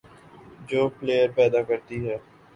جو پلئیر پیدا کرتی ہے،